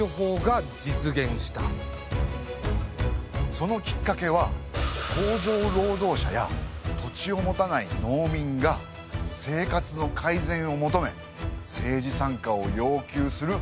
そのきっかけは工場労働者や土地を持たない農民が生活の改善を求め政治参加を要求する運動を起こしたこと。